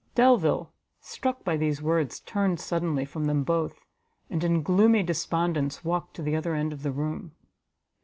Delvile, struck by these words, turned suddenly from them both, and in gloomy despondence walked to the other end of the room.